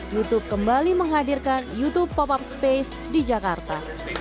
youtube kembali menghadirkan youtube pop up space di jakarta